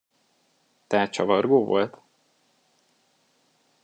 Tehát csavargó volt?